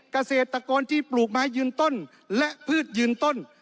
เกษตรกรที่ปลูกไม้ยืนต้นและพืชยืนต้น